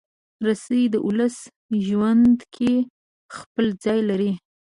رسۍ د ولس ژوند کې خپل ځای لري.